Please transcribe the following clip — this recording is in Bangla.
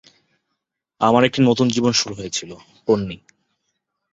আমার একটা নতুন জীবন শুরু হয়েছিলো, পোন্নি।